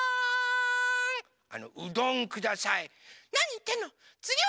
あのうどんください。